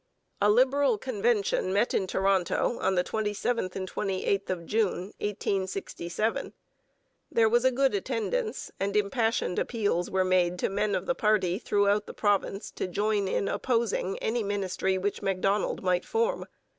A Liberal convention met in Toronto on the 27th and 28th of June 1867. There was a good attendance, and impassioned appeals were made to men of the party throughout the province to join in opposing any ministry which Macdonald might form.